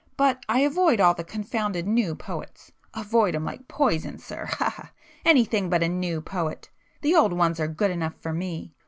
But I avoid all the confounded 'new' poets,—avoid 'em like poison, sir—ha—ha! Anything but a 'new' poet; the old ones are good enough for me!